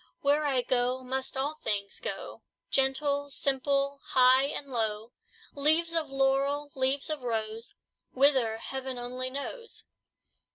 Where I go, must all things go, Gentle, simple, high and low: Leaves of laurel, leaves of rose; Whither, heaven only knows!"